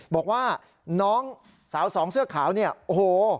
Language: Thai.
บอกว่าน้องสาวสองเสื้อขาวเนี่ยโอ้โห